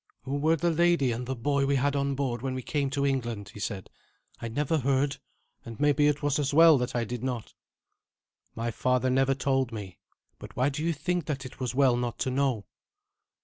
"Who were the lady and the boy we had on board when we came to England?" he said. "I never heard, and maybe it was as well that I did not." "My father never told me. But why do you think that it was well not to know?"